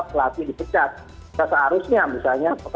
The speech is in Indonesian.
pelatih dipecat seharusnya misalnya